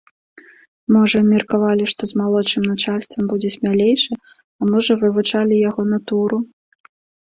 Можа, меркавалі, што з малодшым начальствам будзе смялейшы, а можа, вывучалі яго натуру?